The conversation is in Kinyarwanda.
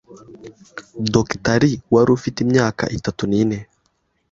Dr Li wari ufite imyaka itatu nine